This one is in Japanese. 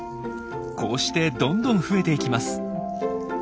こうしてどんどん増えていきます。